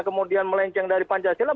kemudian melenceng dari pancasila